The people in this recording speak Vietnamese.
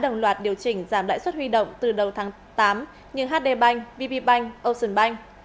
đồng loạt điều chỉnh giảm lãi suất huy động từ đầu tháng tám như hd bank vb bank ocean bank